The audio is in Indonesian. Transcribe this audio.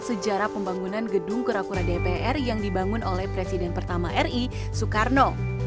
sejarah pembangunan gedung kura kura dpr yang dibangun oleh presiden pertama ri soekarno